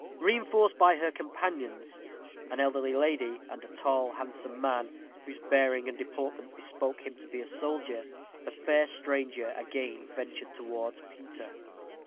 Reinforced by her companions, an elderly lady and a tall, handsome man, whose bearing and deportment bespoke him to be a soldier, the fair stranger again ventured towards Peter.